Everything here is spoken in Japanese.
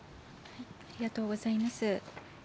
ありがとうございます。